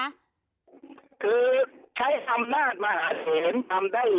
ขึ้นใช้อำนาจมาหาเถรทำได้เลย